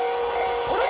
あれ？